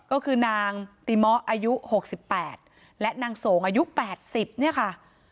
ก็คือนางตีม้ออายุหกสิบแปดและนางสงอายุแปดสิบเนี้ยค่ะ